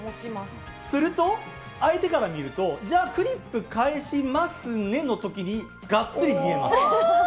すると、相手から見ると、じゃあ、クリップ返しますねのときに、がっつり見えます。